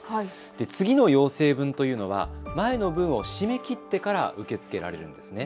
次の要請分というのは前の分を締め切ってから受け付けられるんですね。